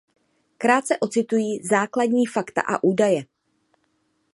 Krátce ocituji základní fakta a údaje.